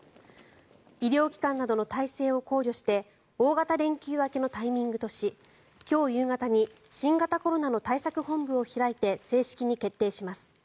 医療機関などの体制を考慮して大型連休明けのタイミングとし今日夕方に新型コロナの対策本部を開いて正式に決定します。